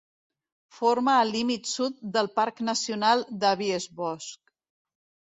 Forma el límit sud del Parc Nacional de Biesbosch.